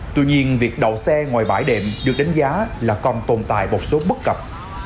tuy nhiên việc đổ xe ngoài bãi điểm được đánh giá là còn tồn tại một số bất cập